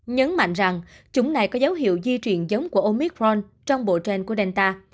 nhấn mạnh rằng chủng này có dấu hiệu di truyền giống của omicron trong bộ trên của delta